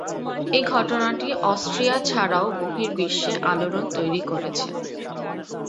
এই ঘটনাটি অস্ট্রিয়া ছাড়াও বহির্বিশ্বে আলোড়ন তৈরি করেছে।